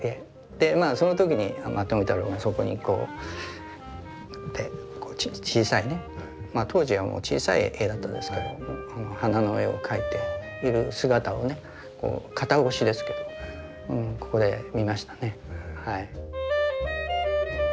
その時に富太郎がそこに小さいね当時は小さい絵だったですけど花の絵を描いている姿をね肩越しですけどここで見ましたね。